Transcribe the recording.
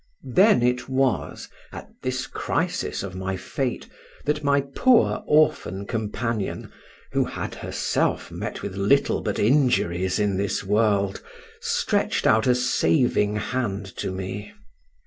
Then it was, at this crisis of my fate, that my poor orphan companion, who had herself met with little but injuries in this world, stretched out a saving hand to me.